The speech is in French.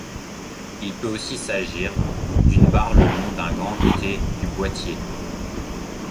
Il peut aussi s'agir d'une barre le long d'un grand côté du boîtier.